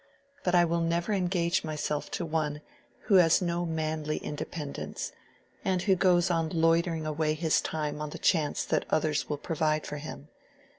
But I will never engage myself to one who has no manly independence, and who goes on loitering away his time on the chance that others will provide for him.